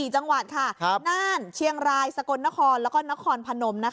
๔จังหวัดค่ะน่านเชียงรายสกลนครแล้วก็นครพนม